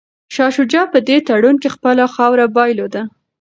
شاه شجاع په دې تړون کي خپله خاوره بایلوده.